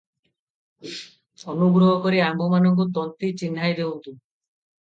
ଅନୁଗ୍ରହ କରି ଆମ୍ଭମାନଙ୍କୁ ତନ୍ତୀ ଚିହ୍ନାଇ ଦେଉଁନ୍ତୁ ।